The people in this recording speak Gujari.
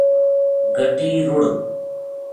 گَٹی رُڑ